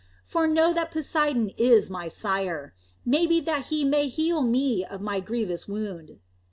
For know that Poseidon is my sire. May be that he may heal me of my grievous wound."